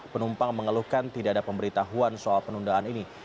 penumpang mengeluhkan tidak ada pemberitahuan soal penundaan ini